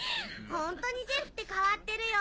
ホントにジェフって変わってるよ。